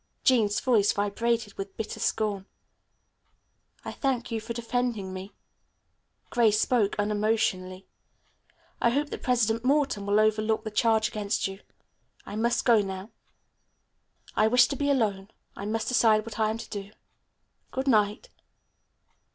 Jean's voice vibrated with bitter scorn. "I thank you for defending me." Grace spoke unemotionally. "I hope that President Morton will overlook the charge against you. I must go now. I wish to be alone. I must decide what I am to do. Good night."